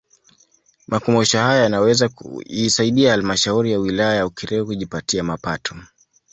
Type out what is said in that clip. Makumbusho haya yanaweza kuisaidia Halmashauri ya Wilaya ya Ukerewe kujipatia mapato